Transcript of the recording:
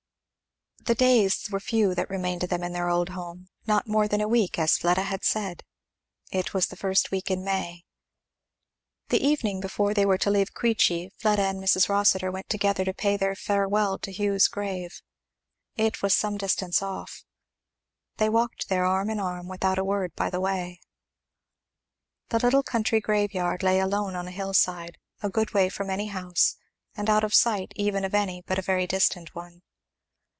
The days were few that remained to them in their old home; not more than a week, as Fleda had said. It was the first week in May. The evening before they were to leave Queechy, Fleda and Mrs. Rossitur went together to pay their farewell visit to Hugh's grave. It was some distance off. They walked there arm in arm without a word by the way. The little country grave yard lay alone on a hill side, a good way from any house, and out of sight even of any but a very distant one.